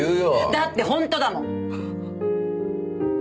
だって本当だもん。